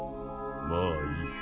まあいい。